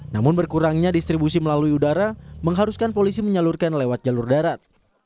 namun berkurangnya distribusi melalui udara mengharuskan polisi menyalurkan lewat jalur darat